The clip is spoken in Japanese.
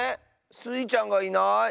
スイちゃんがいない。